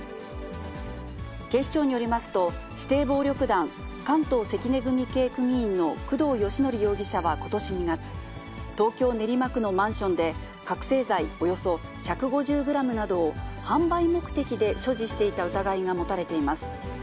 警視庁によりますと、指定暴力団関東関根組系組員の工藤義典容疑者はことし２月、東京・練馬区のマンションで、覚醒剤およそ１５０グラムなどを、販売目的で所持していた疑いが持たれています。